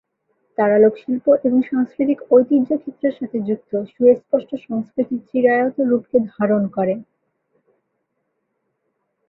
তারা লোকশিল্প এবং সাংস্কৃতিক ঐতিহ্য ক্ষেত্রের সাথে যুক্ত সুস্পষ্ট সংস্কৃতির চিরায়ত রূপকে ধারণ করে।